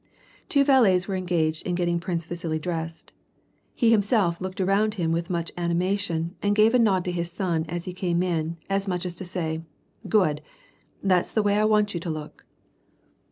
Two valets were engaged in getting Prince Vasili dressed ; he himself looked around him with much an imation, and gave a nod to his son as he came in, as much as to say, " Good, that's the way I want you to look